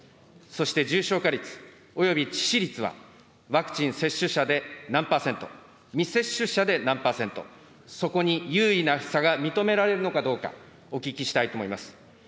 そして、重症化率および致死率は、ワクチン接種者で何％、未接種者で何％、そこに有意な差が認められるのかどうか、お聞きしたいと思います。